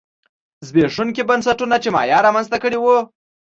زبېښونکي بنسټونه چې مایا رامنځته کړي وو